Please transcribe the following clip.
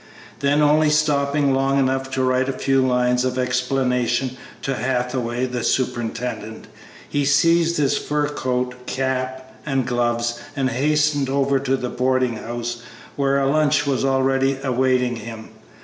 Then only stopping long enough to write a few lines of explanation to Hathaway, the superintendent, he seized his fur coat, cap, and gloves, and hastened over to the boarding house where a lunch was already awaiting him.